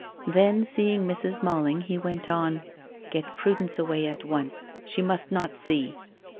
Then, seeing Mrs. Malling, he went on, "Get Prudence away at once. She must not see."